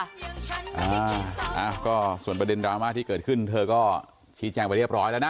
อ่าก็ส่วนประเด็นดราม่าที่เกิดขึ้นเธอก็ชี้แจงไปเรียบร้อยแล้วนะ